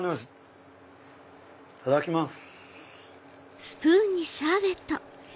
いただきます。